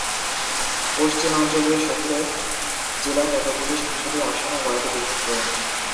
পশ্চিমাঞ্চলীয় শহুরে জেলা কতগুলো সংসদীয় আসন ও ওয়ার্ডে বিভক্ত।